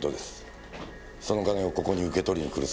その金をここに受け取りに来るそうです。